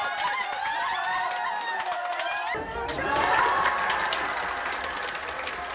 やったー！